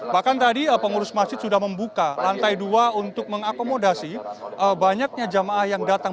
bahkan tadi pengurus masjid sudah membuka lantai dua untuk mengakomodasi banyaknya jamaah yang datang